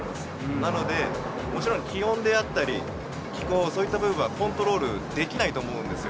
なので、もちろん、気温であったり、気候、そういった部分はコントロールできないと思うんですよ。